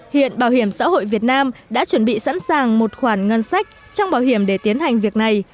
hiện bảo hiểm xã hội việt nam đã chuẩn bị sẵn sàng một khoản ngân sách trong bảo hiểm để tiến hành việc này